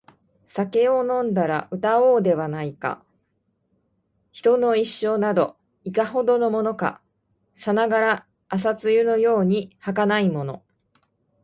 酒を飲んだら歌おうではないか／人の一生など、いかほどのものか／さながら朝露のように儚いもの